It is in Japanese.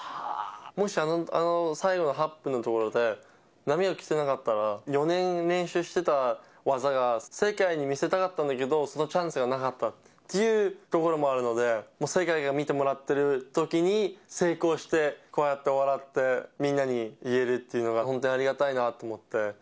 もし、あの最後の８分のところで、波が来てなかったら、４年練習してた技が、世界に見せたかったんだけど、そのチャンスがなかったっていうところもあるので、もう世界が見てもらってるときに成功して、こうやって笑って、みんなに言えるっていうのが、本当にありがたいなと思って。